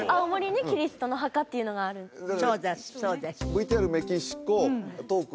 ＶＴＲメキシコトーク